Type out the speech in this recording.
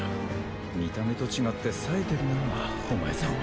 見た目と違って冴えてるなお前さんは。